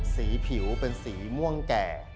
สีผิวเป็นสีม่วงแก่